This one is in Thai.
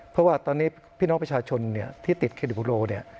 เพราะว่าตอนนี้พี่น้องประชาชนที่ติดเครดิบูโรเนี่ย